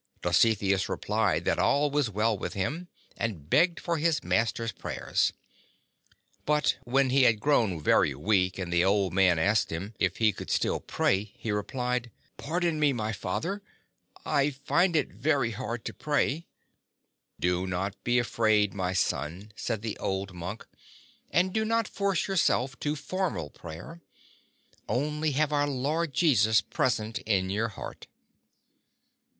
Dositheus replied that all was well with him, and begged for his master's prayers. But when he had grown very weak and the old man asked him if he could still pray, he replied : "Pardon me, my Father, I find it very hard to pray." "Do not be afraid, my son," 90 said the old monk, '"and do not force yourself to formal prayer. Only have our Lord Jesus present in your heart."